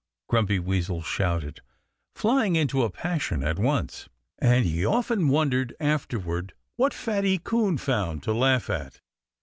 Grumpy Weasel shouted, flying into a passion at once. And he often wondered, afterward, what Fatty Coon found to laugh at.